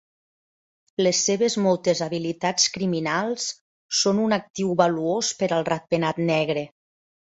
Les seves moltes habilitats criminals són un actiu valuós per al Ratpenat negre.